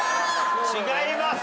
違います！